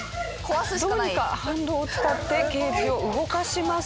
どうにか反動を使ってケージを動かします。